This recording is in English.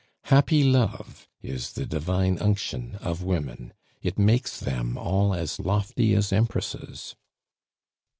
Happy love is the divine unction of women; it makes them all as lofty as empresses.